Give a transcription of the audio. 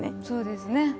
そうですね